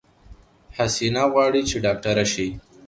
حسينه غواړی چې ډاکټره شی